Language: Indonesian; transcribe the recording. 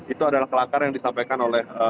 itu adalah kelakar yang disampaikan oleh